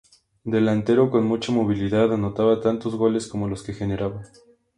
Delantero con mucha movilidad, anotaba tantos goles como los que generaba.